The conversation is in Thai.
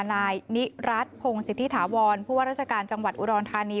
นายนิรัติพงศิษฐิถาวรผู้ว่าราชการจังหวัดอุดรธานี